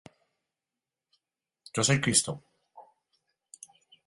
Yo soy Cristo.